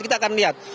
kita akan lihat